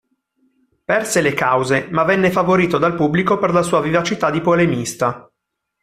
Perse le cause, ma venne favorito dal pubblico per la sua vivacità di polemista.